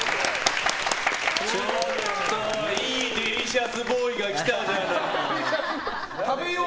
ちょっといいデリシャスボーイが来たじゃないの。